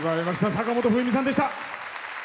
坂本冬美さんでした。